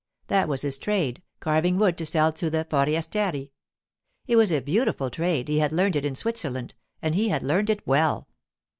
That was his trade—carving wood to sell to the forestieri. It was a beautiful trade; he had learned it in Switzerland, and he had learned it well.